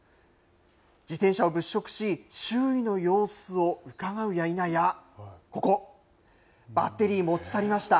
自転車を物色し周囲の様子を、うかがうやいなやここバッテリー持ち去りました。